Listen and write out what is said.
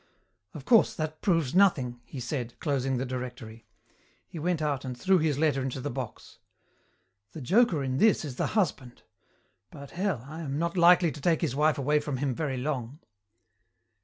"Of course, that proves nothing," he said, closing the directory. He went out and threw his letter into the box. "The joker in this is the husband. But hell, I am not likely to take his wife away from him very long."